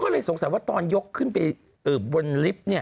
ไม่สงสัยว่าตอนยกขึ้นไปบนลิฟต์เนี่ย